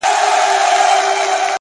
وي دردونه په سيــــنـــــوكـــــــــي،